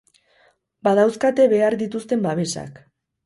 Badauzkate behar dituzten babesak.